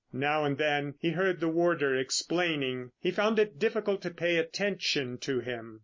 Now and then he heard the warder explaining. He found it difficult to pay any attention to him.